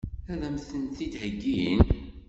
Ad m-tent-id-heggin?